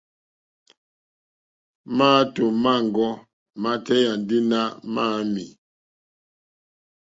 Máàtò mâŋɡɔ́ mátéyà ndí né máǃámɛ̀.